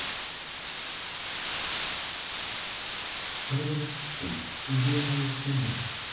取り除くって右の肺を全部ですか？